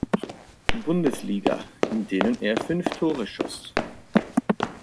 Bundesliga, in denen er fünf Tore schoss.